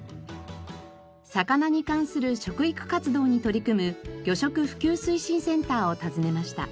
魚に関する食育活動に取り組む魚食普及推進センターを訪ねました。